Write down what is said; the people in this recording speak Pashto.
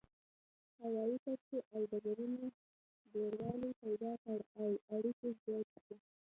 هوايي کرښې او ډګرونو ډیروالی پیدا کړ او اړیکې زیاتې شوې.